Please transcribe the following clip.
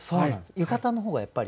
浴衣の方がやっぱり？